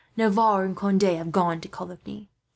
"Navarre and Conde have gone to Coligny.